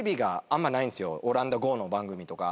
オランダ語の番組とか。